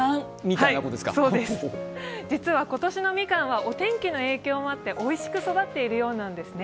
実は今年のみかんは、お天気の影響もあっておいしく育っているようなんですね。